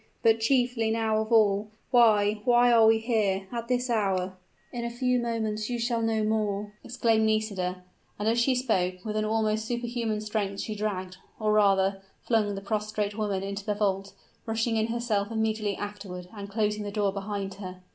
But, chiefly now of all why, why are we here at this hour?" "In a few moments you shall know more!" exclaimed Nisida; and as she spoke, with an almost superhuman strength she dragged, or rather, flung the prostrate woman into the vault, rushing in herself immediately afterward, and closing the door behind her.